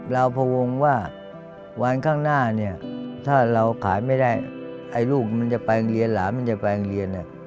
เราพวงว่าวันข้างหน้าเนี่ยถ้าเราขายไม่ได้ไอ้ลูกมันจะไปโรงเรียนหลานมันจะไปโรงเรียน